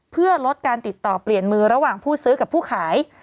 เพื่อลดการติดต่อเปลี่ยนมือระหว่างผู้ซื้อกับผู้ขาย